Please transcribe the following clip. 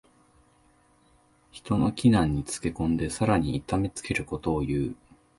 人の危難につけ込んでさらに痛めつけることをいう。